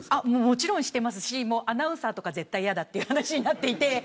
もちろんしていますしアナウンサーとか絶対嫌だという話になっていて。